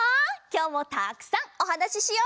きょうもたくさんおはなししようね！